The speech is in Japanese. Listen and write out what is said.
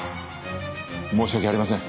申し訳ありません。